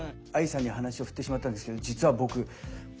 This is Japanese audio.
ＡＩさんに話を振ってしまったんですけどえっ？